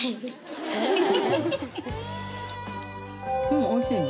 うんおいしいね